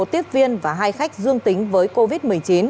một tiếp viên và hai khách dương tính với covid một mươi chín